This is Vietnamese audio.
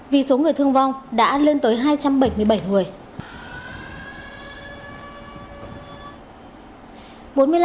vì số người thương vong đã lên tới hai trăm bảy mươi bảy người